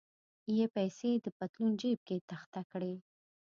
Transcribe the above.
یې پیسې د پتلون جیب کې تخته کړې.